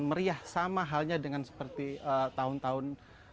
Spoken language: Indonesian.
dan meriah sama halnya dengan seperti tahun tahun